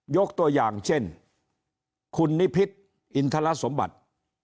ยกตัวอย่างเช่นคุณนิพิษอินทรสมบัติ